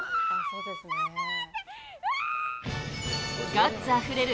ガッツあふれる